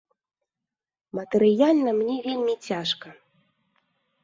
Матэрыяльна мне вельмі цяжка.